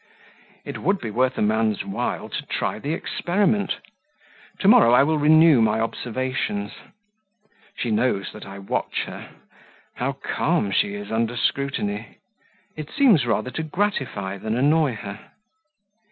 It would be worth a man's while to try the experiment; to morrow I will renew my observations. She knows that I watch her: how calm she is under scrutiny! it seems rather to gratify than annoy her."